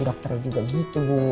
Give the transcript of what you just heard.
dokternya juga gitu bu